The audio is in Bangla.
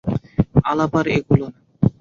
আলাপ আর এগোল না।